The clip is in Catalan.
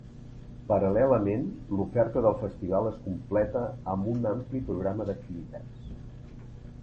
Paral·lelament, l’oferta del festival es completa amb un ampli programa d’activitats.